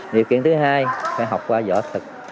điều kiện thứ hai phải học qua giỏ thực